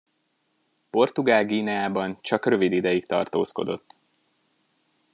Portugál-Guineában csak rövid ideig tartózkodott.